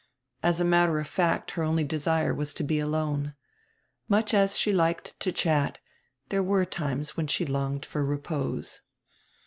As a matter of fact, her only desire was to lie alone. Much as she liked to chat, there were times when she longed for repose.